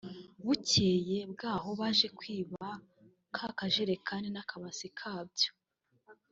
Bukeye bwaho baje kwiba ka kajerikani n’akabasi kabyo